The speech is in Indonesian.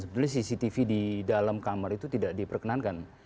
sebenarnya cctv di dalam kamar itu tidak diperkenankan